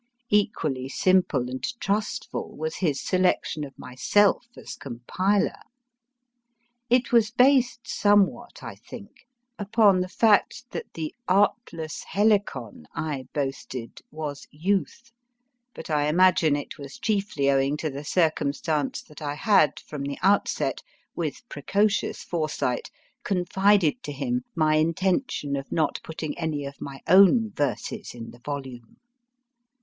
Equally simple and trustful was his selection of myself as compiler. It was based somewhat, I think, upon the fact that the s 258 MY FIRST HOOK artless Helicon I boasted was Youth/ but I imagine it was chiefly owing to the circumstance that I had from the outset, with precocious foresight, confided to him my intention of not putting any of my own verses in the volume.